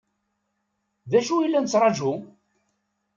D acu i la nettṛaǧu?